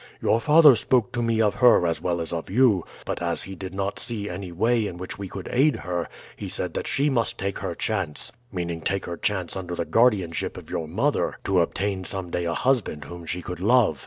Your father spoke to me of her as well as of you, but as he did not see any way in which we could aid her he said that she must take her chance meaning take her chance under the guardianship of your mother to obtain some day a husband whom she could love.